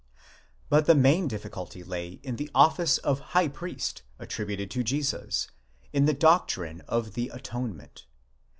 But the main difficulty lay in the office of high priest, attributed to Jesus— in 'the doctrine of the atonement.